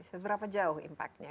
seberapa jauh impactnya